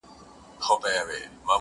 بې شعورو ته خبرې د شعور كړم